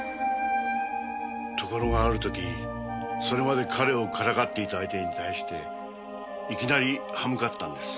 ところがある時それまで彼をからかっていた相手に対していきなり刃向かったんです。